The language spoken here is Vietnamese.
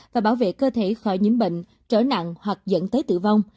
và bảo vệ cơ thể khỏi những bệnh trở nặng hoặc dẫn tới tử vong